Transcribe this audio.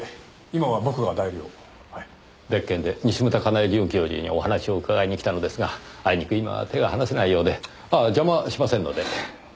別件で西牟田叶絵准教授にお話を伺いに来たのですがあいにく今は手が離せないようで。ああ邪魔はしませんので。